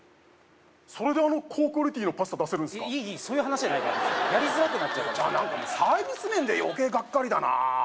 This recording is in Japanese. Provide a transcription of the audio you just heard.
それであの高クオリティーのパスタ出せるんすかいいそういう話じゃないからやりづらくなっちゃうからサービス面で余計がっかりだなあ